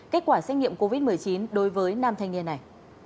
kết quả xét nghiệm covid một mươi chín đối với nam thanh niên này